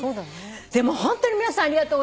でもホントに皆さんありがとうございました。